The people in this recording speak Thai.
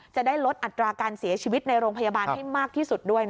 จะได้ลดอัตราการเสียชีวิตในโรงพยาบาลให้มากที่สุดด้วย